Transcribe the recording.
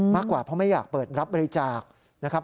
มากกว่าเพราะไม่อยากเปิดรับบริจาคนะครับ